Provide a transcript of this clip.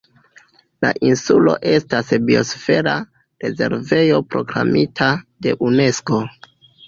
La insulo estas Biosfera rezervejo proklamita de Unesko.